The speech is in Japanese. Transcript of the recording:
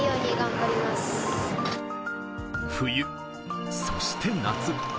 冬、そして夏。